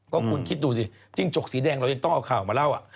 ก็คุณคิดดูสิจิ้งจกสีแดงเรายังต้องเอาข่าวมาเล่า